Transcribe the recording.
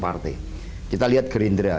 partai kita lihat gerindra